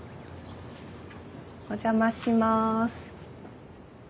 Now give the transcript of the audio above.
お邪魔します。